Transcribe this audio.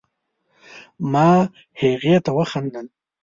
ما هغې ته وخندل